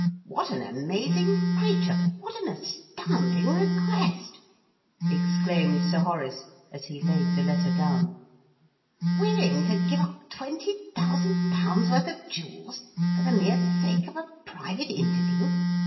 What an amazing creature what an astounding request!" exclaimed Sir Horace, as he laid the letter down. "Willing to give up £20,000 worth of jewels for the mere sake of a private interview!